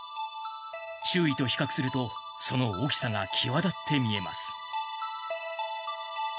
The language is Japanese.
周囲と比較するとその大きさが際立って見えます。